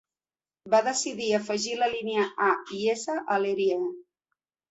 Va decidir afegir la línia A i S a l'Erie.